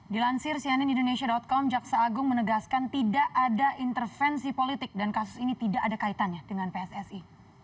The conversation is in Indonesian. dilansir cnn indonesia com jaksa agung menegaskan tidak ada intervensi politik dan kasus ini tidak ada kaitannya dengan pssi